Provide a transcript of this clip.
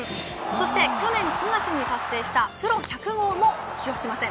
そして去年９月に達成したプロ１００号も広島戦。